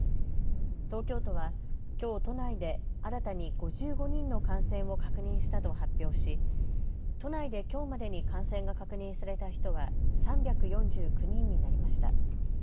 東京都はきょう都内で新たに５５人の感染を確認したと発表し都内できょうまでに感染が確認された人は３４９人になりました。